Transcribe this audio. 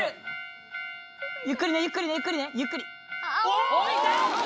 ・ゆっくりねゆっくりねゆっくりねゆっくり置いた！